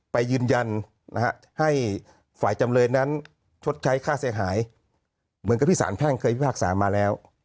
ไปยืนยันให้ฝ่ายจำเลยนั้นชดใช้ค่าเสียหายเหมือนกับที่สารแพ่งเคยพิพากษามาแล้ว